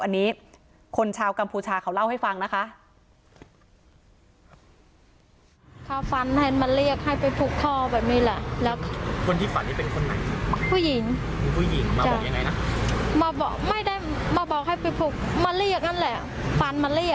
อันนี้คนชาวกัมพูชาเขาเล่าให้ฟังนะคะ